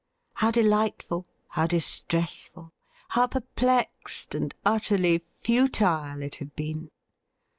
How delightful, how dis tressful, how perplexed and utterly fatile, it had been!